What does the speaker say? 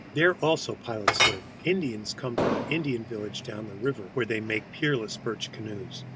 There also pilots live, Indians come from an Indian village down the river, where they make the peerless birch canoes.